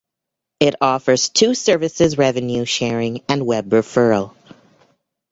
It offers two services Revenue sharing and web referral.